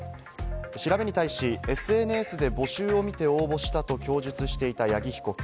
調べに対しＳＮＳで募集を見て応募したと供述していた八木被告。